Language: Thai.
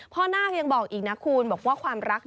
นาคยังบอกอีกนะคุณบอกว่าความรัก